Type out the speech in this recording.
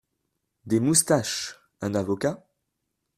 Des moustaches ! un avocat ?